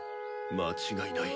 間違いない。